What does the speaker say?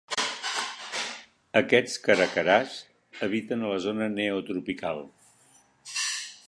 Aquests caracaràs habiten a la zona neotropical.